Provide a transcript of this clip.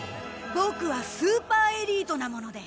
ボクはスーパーエリートなもので。